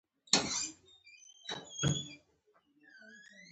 سرکه د سرکې د تیزابو لرونکې ده.